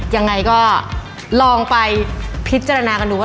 ยังไงก็ลองไปพิจารณากันดูว่า